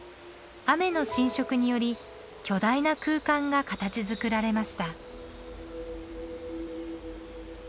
雨の浸食により巨大な空間が形づくられました。